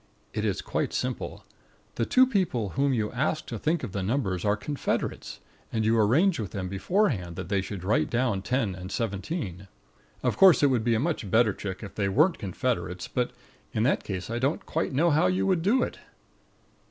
It is quite simple. The two people whom you asked to think of the numbers are confederates, and you arranged with them beforehand that they should write down 10 and 17. Of course it would be a much better trick if they weren't confederates; but in that case I don't quite know how you would do it.